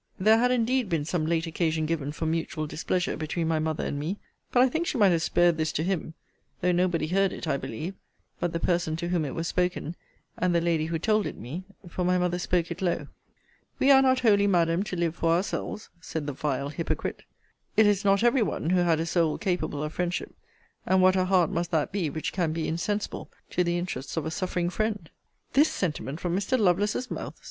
There had indeed been some late occasion given for mutual displeasure between my mother and me: but I think she might have spared this to him; though nobody heard it, I believe, but the person to whom it was spoken, and the lady who told it me; for my mother spoke it low. We are not wholly, Madam, to live for ourselves, said the vile hypocrite: it is not every one who had a soul capable of friendship: and what a heart must that be, which can be insensible to the interests of a suffering friend? This sentiment from Mr. Lovelace's mouth!